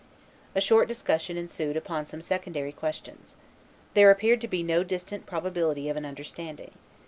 A short discussion ensued upon some secondary questions. There appeared to be no distant probability of an understanding.